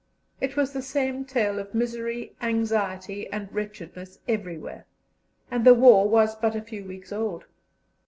It was the same tale of misery, anxiety, and wretchedness, everywhere, and the war was but a few weeks old.